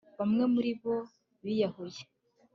bamwe muribo biyahuye